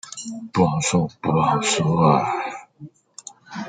不好說，不好說阿